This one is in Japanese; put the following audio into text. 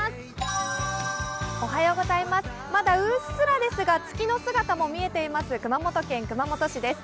まだうっすらですが、月の姿も見えています熊本県熊本市です。